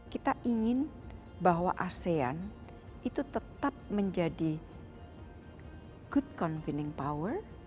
kita ingin bahwa asean itu tetap menjadi good convening power